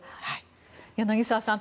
柳澤さん